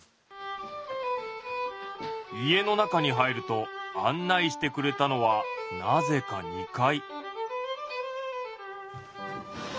家の中に入ると案内してくれたのはなぜか２階。